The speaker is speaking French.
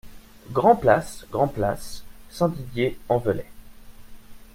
Grand Place Grand Place, Saint-Didier-en-Velay